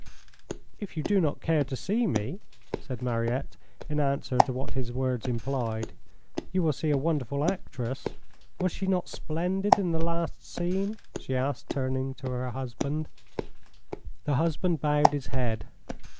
"If you do not care to see me," said Mariette, in answer to what his words implied, "you will see a wonderful actress. Was she not splendid in the last scene?" she asked, turning to her husband. The husband bowed his head.